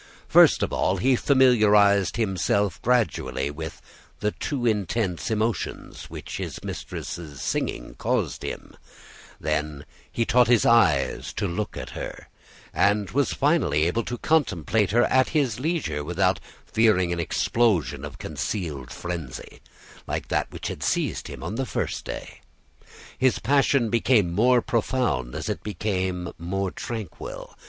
First of all, he familiarized himself gradually with the too intense emotions which his mistress' singing caused him; then he taught his eyes to look at her, and was finally able to contemplate her at his leisure without fearing an explosion of concealed frenzy, like that which had seized him the first day. His passion became more profound as it became more tranquil.